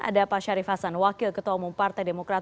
ada pak syarif hasan wakil ketua umum partai demokrat